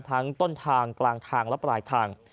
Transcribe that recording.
ทั้งต้นทางกลางทางและปลายทาง